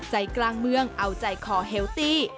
ใจกลางเมืองเอาใจคอเฮลตี้